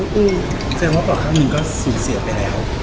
แสดงว่าต่อข้างหนึ่งก็สูญเสียไปแล้ว